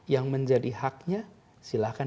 yang menjadi haknya silahkan